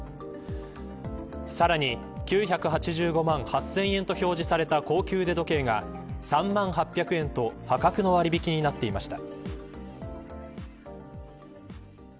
さらに９８５万８０００円と表示された高級腕時計が３万８００円と破格の割引になっていました。